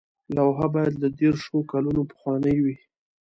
لوحه باید له دیرشو کلونو پخوانۍ وي.